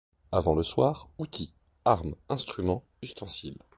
Avant le soir, outils, armes, instruments, ustensiles